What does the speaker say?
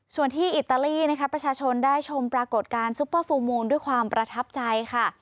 ส่วนที่อิตาลีนะคะประชาชนได้ชมปรากฏการณ์ซุปเปอร์ฟูลมูลด้วยความประทับใจค่ะ